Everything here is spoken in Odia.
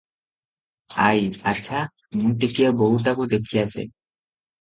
ଆଈ - ଆଚ୍ଛା, ମୁଁ ଟିକିଏ ବୋହୂଟାକୁ ଦେଖି ଆସେ ।